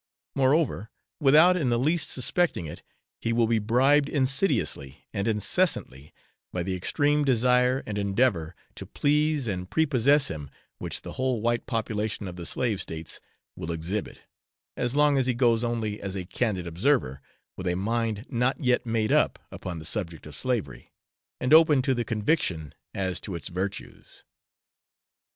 Moreover, without in the least suspecting it, he will be bribed insidiously and incessantly by the extreme desire and endeavour to please and prepossess him which the whole white population of the slave States will exhibit as long as he goes only as a 'candid observer,' with a mind not yet made up upon the subject of slavery, and open to conviction as to its virtues.